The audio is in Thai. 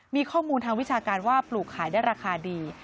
มีข้อมูลทางวิชาการว่าปลูกขายได้ราคาดี